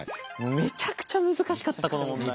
めちゃくちゃ難しかったこの問題。